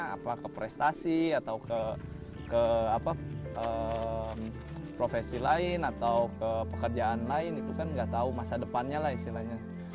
apakah ke prestasi atau ke profesi lain atau ke pekerjaan lain itu kan nggak tahu masa depannya lah istilahnya